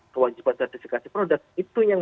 kewajiban sertifikasi produk itu yang